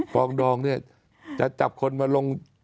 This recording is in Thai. องดองเนี่ยจะจับคนมาลง